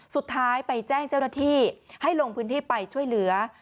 สุดท้ายไปแจ้งเจ้าหน้าที่ให้ลงพื้นที่ไปช่วยเหลือ